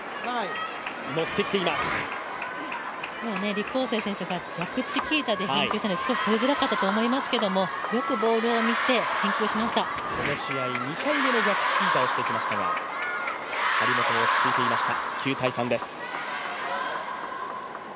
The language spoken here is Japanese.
李皓晴選手が逆チキータで返球したので少しとりづらかったと思うんですが、よくボールを見てこの試合、２回目の逆チキータをしてきましたが張本、落ち着いていました。